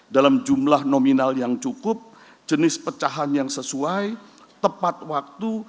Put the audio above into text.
dalam jumlah nominal yang cukup jenis pecahan yang sesuai tepat waktu